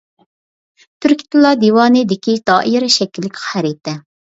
«تۈركىي تىللار دىۋانى» دىكى دائىرە شەكىللىك خەرىتە.